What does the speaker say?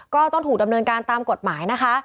ก็ต้องถูกดำเนินการตามกฎหมายนะคะ